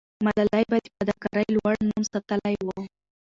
ملالۍ به د فداکارۍ لوړ نوم ساتلې وو.